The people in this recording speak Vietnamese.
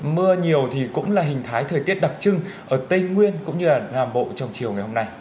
mưa nhiều thì cũng là hình thái thời tiết đặc trưng ở tây nguyên cũng như là nam bộ trong chiều ngày hôm nay